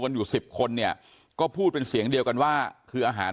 อยู่สิบคนเนี่ยก็พูดเป็นเสียงเดียวกันว่าคืออาหาร